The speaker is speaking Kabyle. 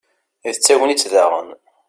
d tagnit daɣen